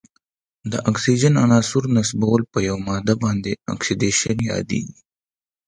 د اکسیجن عنصر نصبول په یوه ماده باندې اکسیدیشن یادیږي.